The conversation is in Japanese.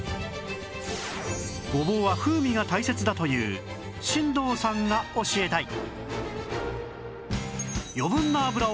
ごぼうは風味が大切だという新堂さんが教えたい